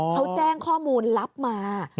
เขาแจ้งข้อมูลลับมา